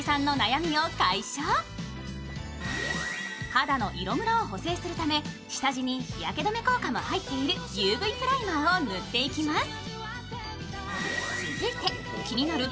肌の色むらを補正するため、下地に日焼け止め効果も入っているＵＶプライマーを塗っていきます。